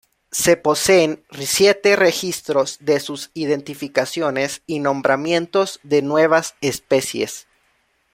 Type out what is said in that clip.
Se poseen siete registros de sus identificaciones y nombramientos de nuevas especies.